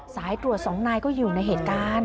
สายตรวจสองนายก็อยู่ในเหตุการณ์